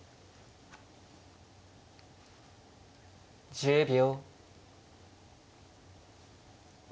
１０秒。